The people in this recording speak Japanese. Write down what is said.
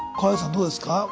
どうですか。